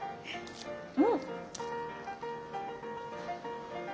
うん！